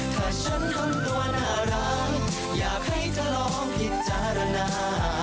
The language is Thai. ถ้าฉันทำตัวน่ารักอยากให้เธอลองพิจารณา